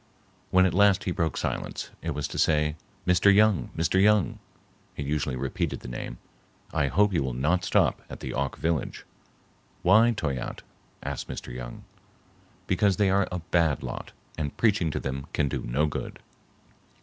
When at last he broke silence it was to say, "Mr. Young, Mr. Young,"—he usually repeated the name,—"I hope you will not stop at the Auk village." "Why, Toyatte?" asked Mr. Young. "Because they are a bad lot, and preaching to them can do no good."